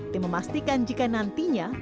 dimemastikan jika nantinya